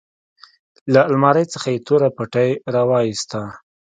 له المارۍ څخه يې توره پټۍ راوايستله.